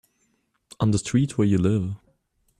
On the street where you live.